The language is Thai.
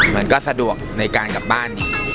มันก็สะดวกในการกลับบ้าน